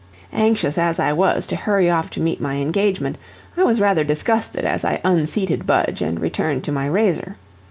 Anxious as I was to hurry off to meet my engagement, I was rather disgusted as I unseated Budge and returned to my razor.